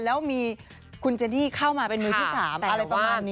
แล้วมีคุณเจนี่เข้ามาเป็นมือที่๓อะไรประมาณนี้